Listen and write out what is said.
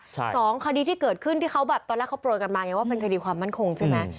สองคดีที่เกิดขึ้นที่เขาแบบตอนแรกเขาโปรยกันมาไงว่าเป็นคดีความมั่นคงใช่ไหม